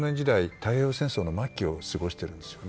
太平洋戦争の末期を過ごすしているんですよね。